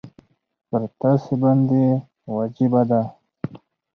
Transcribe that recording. پر تاسي باندي واجبه ده.